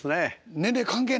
年齢関係なく。